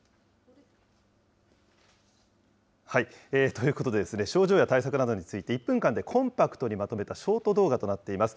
ということでですね、症状や対策などについて、１分間でコンパクトにまとめたショート動画となっています。